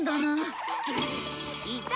いた！